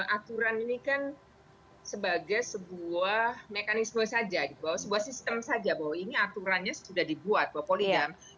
aturan ini kan sebagai sebuah mekanisme saja bahwa sebuah sistem saja bahwa ini aturannya sudah dibuat bahwa poligam